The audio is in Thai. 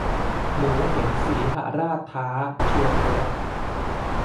หมูเห็นสีหราชท้า ชวนรบ